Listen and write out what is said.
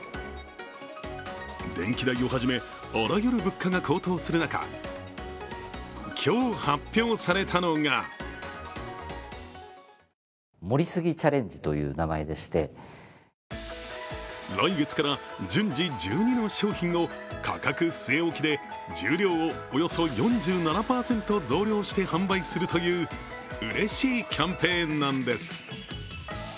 電気代をはじめあらゆる物価が高騰する中、今日発表されたのが来月から順次、１２の商品を価格据え置きで重量をおよそ４７％増量して販売するといううれしいキャンペーンなんです。